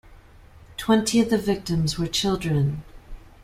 Twenty of the victims were children.